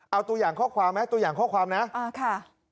เอาตัวอย่างข้อความไหมตัวอย่างข้อความนะอ่าค่ะ